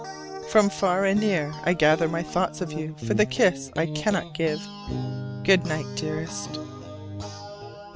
From far and near I gather my thoughts of you for the kiss I cannot give. Good night, dearest.